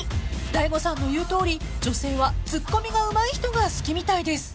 大悟さんの言うとおり女性はツッコミがうまい人が好きみたいです］